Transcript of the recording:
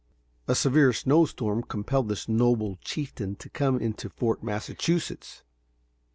A severe snow storm compelled this noble chieftain to come into Fort Massachusetts.